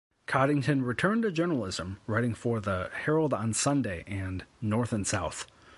Coddington returned to journalism, writing for the "Herald on Sunday" and "North and South".